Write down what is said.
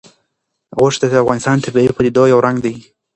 غوښې د افغانستان د طبیعي پدیدو یو رنګ دی.